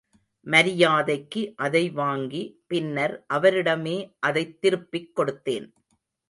மரியாதைக்கு அதை வாங்கி பின்னர் அவரிடமே அதைத் திருப்பிக் கொடுத்தேன்.